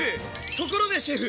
ところでシェフ。